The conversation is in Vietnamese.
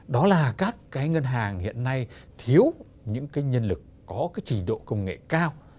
đó là các cái ngân hàng hiện nay thiếu những cái nhân lực có cái trình độ công nghệ cao